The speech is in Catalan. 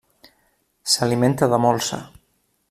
S'alimenta de molsa.